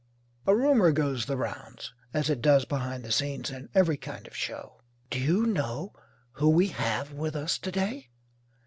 A rumour goes the rounds as it does behind the scenes in every kind of show. "Do you know who we have with us to day?